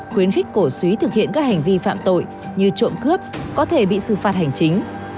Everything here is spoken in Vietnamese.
khuyến khích cổ suý thực hiện các hành vi phạm tội như trộm cướp có thể bị xử phạt hành chính